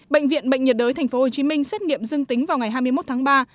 bệnh viện bệnh nhiệt đới tp hcm xét nghiệm dương tính vào ngày hai mươi một tháng ba